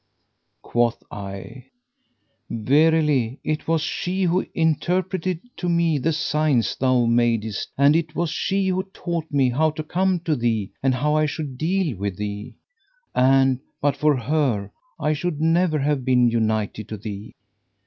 Quoth I, "Verily it was she who interpreted to me the signs thou madest and it was she who taught me how to come to thee and how I should deal with thee; and, but for her, I should never have been united to thee."